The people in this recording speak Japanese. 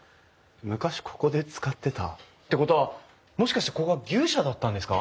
昔ここで使ってた？ってことはもしかしてここは牛舎だったんですか？